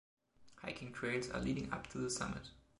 Hiking trails are leading up to the summit.